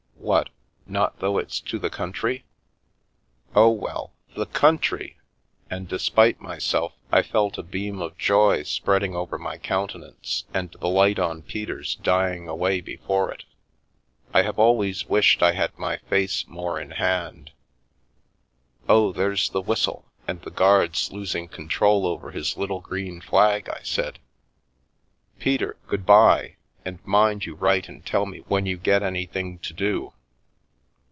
" What — not though it's to the country? "" Oh, well — the country !" And despite myself, I felt a beam of joy spreading over my countenance and the light on Peter's dying away before it. I have always wished I had my face more in hand. " Oh, there's the whistle, and the guard's losing control over his little green flag," I said. " Peter, good bye, and mind you write and tell me when you get anything to do."